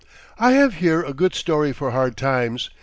I have here a good story for hard times.